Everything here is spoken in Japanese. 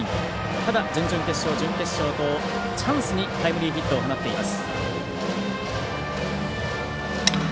ただ準々決勝、準決勝とチャンスにタイムリーヒットを放っています。